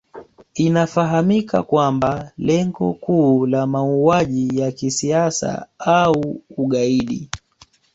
Inafahamika kwamba lengo kuu la mauaji ya kisiasa au ugaidi